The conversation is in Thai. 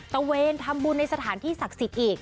เวนทำบุญในสถานที่ศักดิ์สิทธิ์อีก